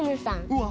うわ。